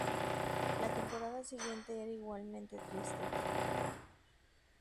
La temporada siguiente era igualmente triste.